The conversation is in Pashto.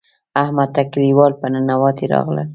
احمد ته کلیوال په ننواتې راغلل.